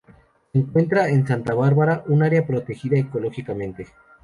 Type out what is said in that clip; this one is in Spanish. Se encuentra en Santa Bárbara una Área Protegida ecológicamente.